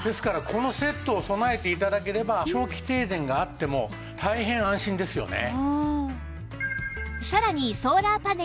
このセットを備えて頂ければ長期停電があっても大変安心ですよね。